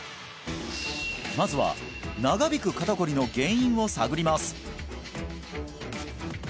まずは長引く肩こりの原因を探ります